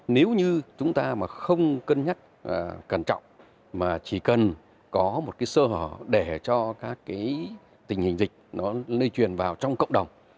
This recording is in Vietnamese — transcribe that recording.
nếu như chúng ta không cân nhắc cẩn trọng mà chỉ cần có một sơ hỏ để cho tình hình dịch lây truyền vào trong cộng đồng